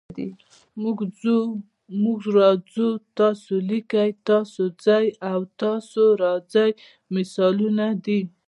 موږ ځو، موږ راځو، تاسې لیکئ، تاسو ځئ او تاسو راځئ مثالونه دي.